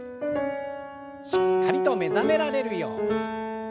しっかりと目覚められるように。